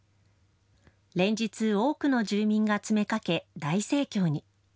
連日、多くの住民が詰めかけ大盛況に。